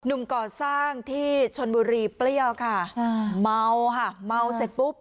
หนุ่มก่อสร้างที่ชนบุรีเปรี้ยวค่ะอ่าเมาค่ะเมาเสร็จปุ๊บ